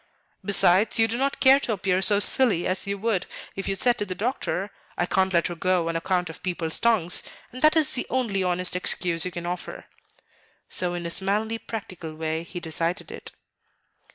Besides, you do not care to appear so silly as you would if you said to the doctor, 'I can't let her go on account of people's tongues,' and that is the only honest excuse you can offer." So in his manly, practical way he decided it.